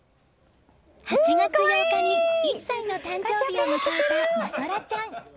８月８日に１歳の誕生日を迎えた真空ちゃん。